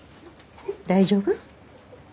大丈夫？